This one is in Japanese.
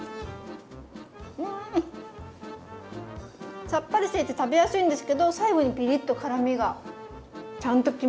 うん！さっぱりしていて食べやすいんですけど最後にピリッと辛みがちゃんときますね。